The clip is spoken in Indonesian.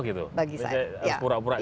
oh gitu harus pura pura jadi